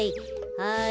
はい。